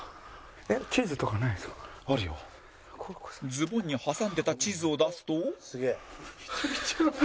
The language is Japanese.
ズボンに挟んでた地図を出すと